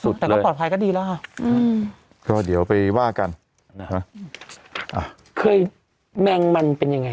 อืมอันนี้คือล่าสุดเลยแม่งมันเป็นไง